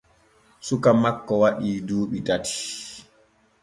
Suka makko waɗii duuɓi tati.